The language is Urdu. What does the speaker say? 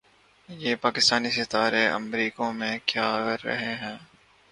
یہ پاکستانی ستارے امریکا میں کیا کررہے ہیں